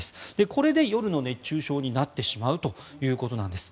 これで夜の熱中症になってしまうということなんです。